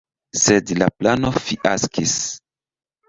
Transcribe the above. Sed la plano fiaskis.